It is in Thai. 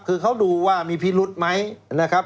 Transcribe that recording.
คือเขาดูว่ามีพิรุธไหมนะครับ